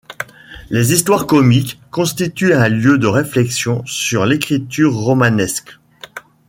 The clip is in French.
Les histoires comiques constituent un lieu de réflexion sur l'écriture romanesque.